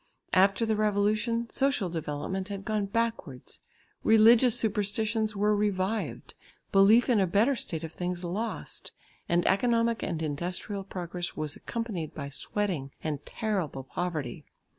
After the Revolution, social development had gone backwards; religious superstitions were revived, belief in a better state of things lost, and economic and industrial progress was accompanied by sweating and terrible poverty.